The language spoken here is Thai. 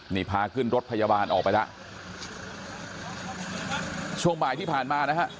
นี่พาขึ้นรถพยาบาลออกไปแล้วช่วงบ่ายที่ผ่านมานะฮะ